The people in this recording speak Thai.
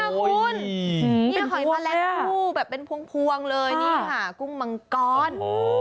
คุณเป็นหอยแผล่นทู้แบบเป็นพวงเลยนี่ค่ะกุ้งมังก้อน